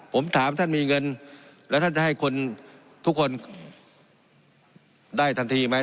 ผมถามท่านมีเงินแล้วท่านจะให้คนทุกคนได้ทันทีไหม